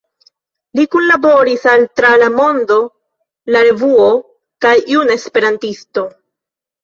Li kunlaboris al „Tra La Mondo“, „La Revuo“ kaj „Juna Esperantisto“.